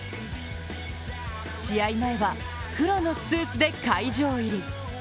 試合前は黒のスーツで会場入り。